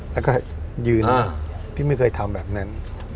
แล้วก็ยืนพี่ไม่เคยทำแบบนั้น